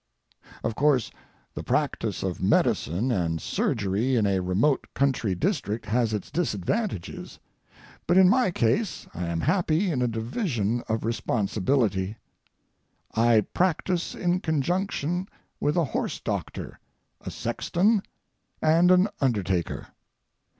Of course, the practice of medicine and surgery in a remote country district has its disadvantages, but in my case I am happy in a division of responsibility. I practise in conjunction with a horse doctor, a sexton, and an undertaker.